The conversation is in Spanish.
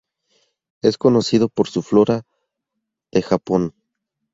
Es conocido por su "Flora de Japón".